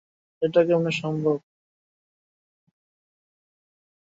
এসবের জন্য একসঙ্গে কাজ করবে আইসিটি বিভাগ এবং বেসরকারি সংস্থা ডিনেট।